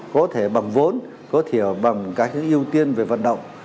có thể bằng vốn có thể bằng các ưu tiên về vận động